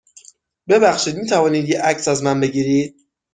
ببخشید، می توانید یه عکس از من بگیرید؟